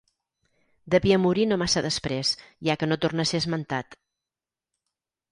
Devia morir no massa després, ja que no torna a ser esmentat.